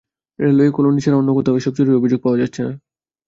Railway colony ছাড়া অন্য কোথাও এসব চুরির অভিযোগ পাওয়া যাচ্ছে না।